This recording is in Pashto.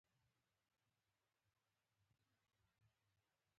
ګوندي په موږ ټولو کې یو د سِل ناروغي ولري.